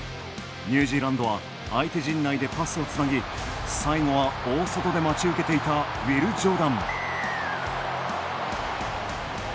ニュージーランドは相手陣内でパスをつなぎ最後は、大外で待ち受けていたウィル・ジョーダン。